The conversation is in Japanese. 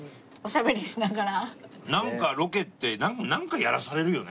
なんかロケってなんかやらされるよね？